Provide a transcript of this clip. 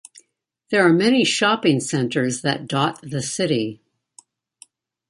There are many shopping centers that dot the city.